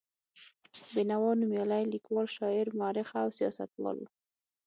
بېنوا نومیالی لیکوال، شاعر، مورخ او سیاستوال و.